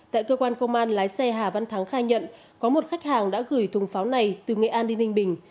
tại cơ quan công an lái xe hà văn thắng khai nhận có một khách hàng đã gửi thùng pháo này từ nghệ an đi ninh bình